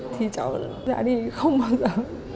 thì cháu đã đi không bao giờ